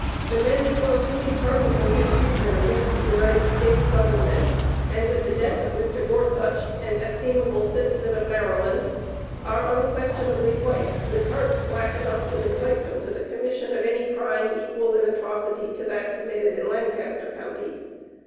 The men who are really chargeable with treason against the United States Government, and with the death of Mr. Gorsuch, an estimable citizen of Maryland, are unquestionably white, with hearts black enough to incite them to the commission of any crime equal in atrocity to that committed in Lancaster county.